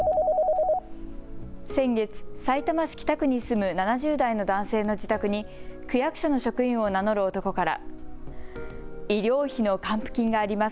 先月、さいたま市北区に住む７０代の男性の自宅に区役所の職員を名乗る男から医療費の還付金があります。